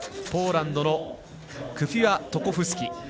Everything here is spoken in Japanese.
ポーランドのクフィアトコフスキ。